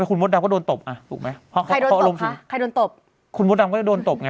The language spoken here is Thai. แต่คุณมดดำก็โดนตบอ่ะถูกไหมใครโดนตบคะใครโดนตบคุณมดดำก็ได้โดนตบไง